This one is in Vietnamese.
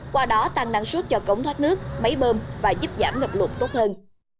qua đó tăng năng suất cho cống thoát nước máy bơm và giúp giảm ngập lụt tốt hơn